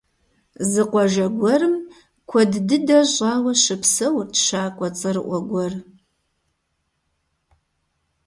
Зы къуажэ гуэрым куэд дыдэ щӀауэ щыпсэурт щакӀуэ цӀэрыӀуэ гуэр.